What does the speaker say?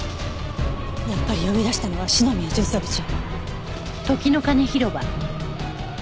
やっぱり呼び出したのは篠宮巡査部長。